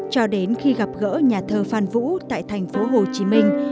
cho đến khi gặp gỡ nhà thơ phan vũ tại thành phố hồ chí minh